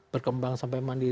berkembang sampai mandi